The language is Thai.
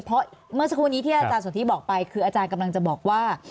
เพราะเมื่อสักครู่นี้ที่อาจารย์สนทิบอกไปคืออาจารย์กำลังจะบอกว่า